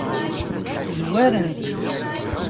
Zwaren-t.